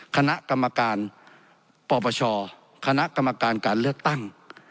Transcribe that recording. คณะกรรมการปปชคณะกรรมการการเลือกตั้ง